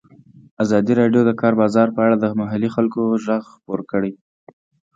ازادي راډیو د د کار بازار په اړه د محلي خلکو غږ خپور کړی.